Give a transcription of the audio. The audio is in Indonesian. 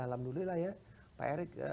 alhamdulillah ya pak erick